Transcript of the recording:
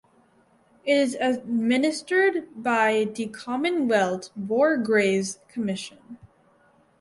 It is administered by the Commonwealth War Graves Commission.